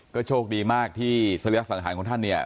ก็โชคดีมากที่เสร็จสังขารของท่าน